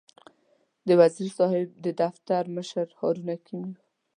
د وزیر صاحب د دفتر مشر هارون حکیمي و.